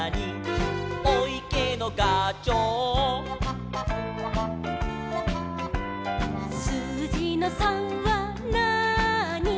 「おいけのがちょう」「すうじの３はなーに」